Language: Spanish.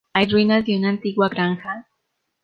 Hay ruinas de una antigua granja.